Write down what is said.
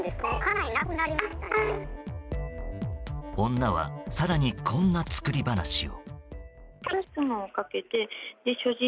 女は更に、こんな作り話を。